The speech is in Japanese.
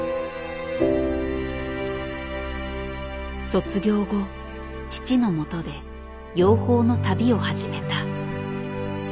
卒業後父のもとで養蜂の旅を始めた。